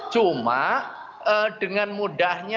cuma dengan mudahnya